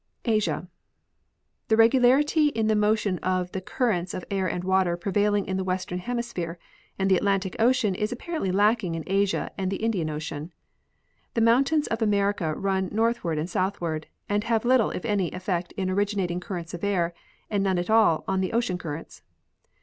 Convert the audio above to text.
Asia. The regularit}^ in the motion of the currents of air and water prevailing in the western hemisphere and the Atlantic ocean is apparently lacking in Asia and the Indian ocean. The moun tains of America run northward and southward, and have little, if any, effect in originating currents of air, and none at all on the ocean currents.